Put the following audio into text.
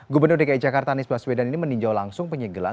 gubernur dki jakarta nisbah swedan ini meninjau langsung penyegelan